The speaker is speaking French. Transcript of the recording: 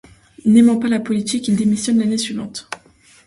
N'aimant pas la politique, il démissionne l'année suivante.